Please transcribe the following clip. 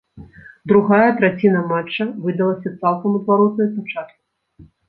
Другая траціна матча выдалася цалкам адваротнай пачатку.